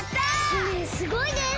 姫すごいです！